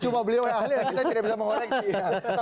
cuma beliau yang ahli kita tidak bisa mengoreksi ya